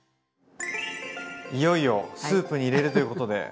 いよいよスープに入れるということで。